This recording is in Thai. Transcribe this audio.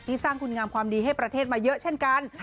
สร้างคุณงามความดีให้ประเทศมาเยอะเช่นกัน